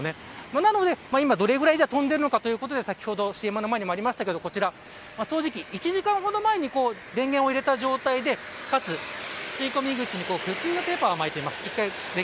なので、どれくらい飛んでいるかということで、先ほどＣＭの前にもありましたけれど掃除機を１時間ほど前に電源を入れた状態で吸い込み口にクッキングペーパーを巻いています。